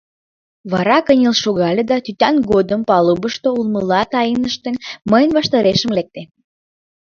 Вара кынел шогале да, тӱтан годым палубышто улмыла тайныштын, мыйын ваштарешем лекте.